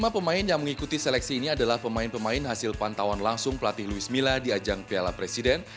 lima pemain yang mengikuti seleksi ini adalah pemain pemain hasil pantauan langsung pelatih luis mila di ajang piala presiden